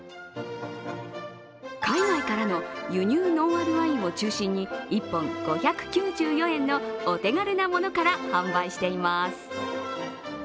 海外からの輸入のノンアルワインを中心に１本５９４円のお手軽なものから販売しています。